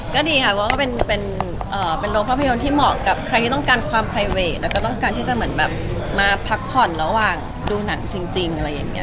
ก็ดีค่ะเพราะว่าเป็นโรงภาพยนตร์ที่เหมาะกับใครที่ต้องการความไพรเวทแล้วก็ต้องการที่จะเหมือนแบบมาพักผ่อนระหว่างดูหนังจริงอะไรอย่างนี้